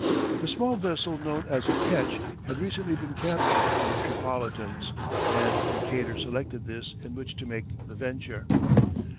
A small vessel known as a ketch had recently been captured from the Tripolitans, and Decatur selected this in which to make the venture.